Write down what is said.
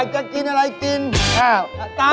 พักผ่อนหนที่นอน